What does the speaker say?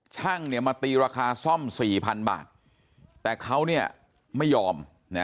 ช่างมาตีราคาซ่อม๔๐๐๐บาทแต่เขาไม่ยอม